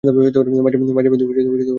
মাঝেমধ্যে মদ খেতে পারবে।